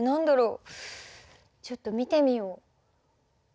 ちょっと見てみよう。